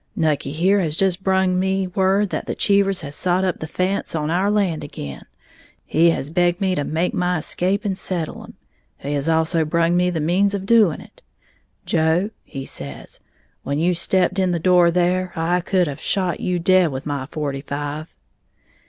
Nucky here has just brung me word that the Cheevers has sot up the fence on our land again; he has begged me to make my escape and settle 'em; he has also brung me the means of doing it. Joe,' he says, 'when you stepped in the door there, I could have shot you dead with my forty five.'